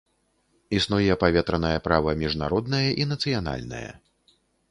Існуе паветранае права міжнароднае і нацыянальнае.